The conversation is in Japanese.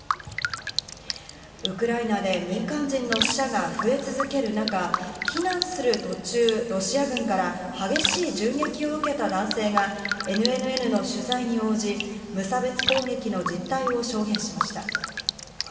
ウクライナで民間人の死者が増え続ける中、避難する途中、ロシア軍から激しい銃撃を受けた男性がＮＮＮの取材に応じ、無差別攻撃の実態を証言しました。